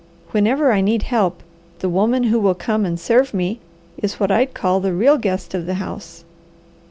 Whenever I need help, the woman who will come and serve me is what I'd call the real guest of the house.